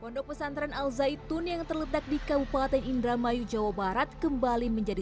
pondok pesantren al zaitun yang terletak di kabupaten indramayu jawa barat kembali menjadi